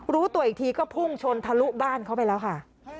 รู้ตัวอีกทีก็พุ่งชนทะลุบ้านเขาไปแล้วค่ะ